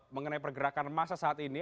mengenai pergerakan masa saat ini